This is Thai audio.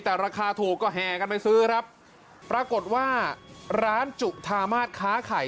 แต่ราคาถูกก็แห่กันไปซื้อครับปรากฏว่าร้านจุธามาสค้าไข่